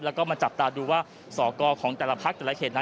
แล้วก็มาจับตาดูว่าพรเศรษฐ์ของสกรของแต่ละภาคแต่ละเขต